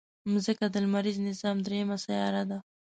مځکه د لمریز نظام دریمه سیاره ده.